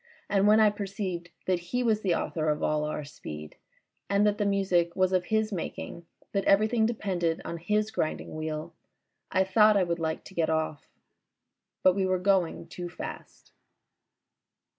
And when I perceived that he was the author of all our speed and that the music was of his making, that everything depended on his grinding wheel, I thought I would like to get off. But we were going too fast.